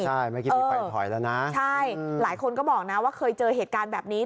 ใช่เมื่อกี้นี้ถอยแล้วนะใช่หลายคนก็บอกนะว่าเคยเจอเหตุการณ์แบบนี้